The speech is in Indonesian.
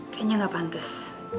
kayaknya gak pantas